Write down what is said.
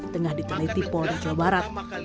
tengah diteliti polda jawa barat